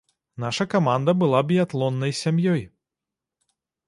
Наша каманда была біятлоннай сям'ёй!!!